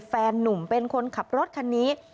นุ่มเป็นคนขับรถคันนี้